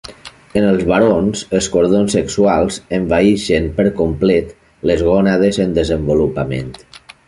En els barons, els cordons sexuals envaïxen per complet les gònades en desenvolupament.